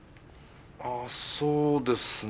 あっそうですね。